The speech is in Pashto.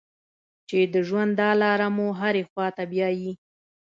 چې د ژوند دا لاره مو هرې خوا ته بیايي.